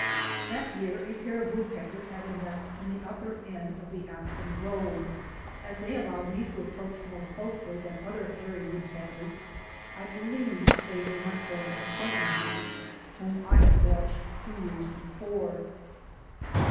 That year a pair of woodpeckers had a nest in the upper end of the aspen grove. As they al lowed me to approach more closely than other hairy woodpeckers, I believe they were my former acquaintances whom I had watched two years before.